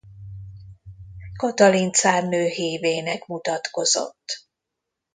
Katalin cárnő hívének mutatkozott.